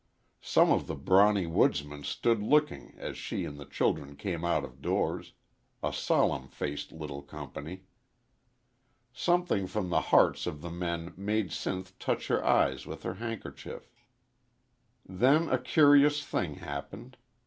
Some of the brawny woodsmen stood looking as she and the children came out of doors a solemn faced little company. Something from the hearts of the men made Sinth touch her eyes with her handkerchief. Then a curious thing happened.